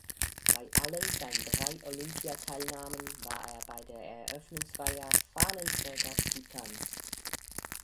Bei allen seinen drei Olympiateilnahmen war er bei der Eröffnungsfeier Fahnenträger Bhutans.